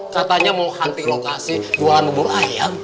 katanya mau hunti lokasi jualan bubur ayam